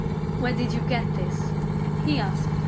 '' Where did you get this ?" he asked.